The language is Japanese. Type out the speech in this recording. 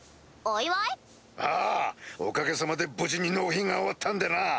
・・おかげさまで無事に納品が終わったんでな！